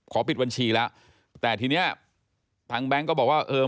ขอปิดบัญชีแล้วแต่ทีนี้ทางแบงก์ก็บอกว่า